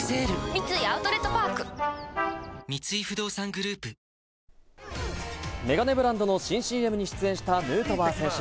三井アウトレットパーク三井不動産グループメガネブランドの新ＣＭに出演したヌートバー選手。